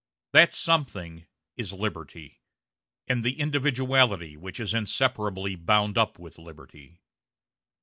That something is liberty, and the individuality which is inseparably bound up with liberty.